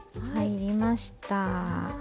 入りました。